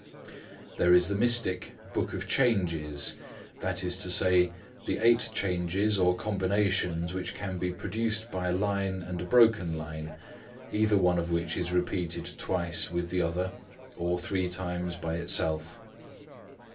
There is the mystic Book of Changes, that is to say, the eight changes or combinations which can be produced by a line and a broken line, either one of which is repeated twice with the other, or three times by itself.